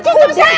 kamu belain dia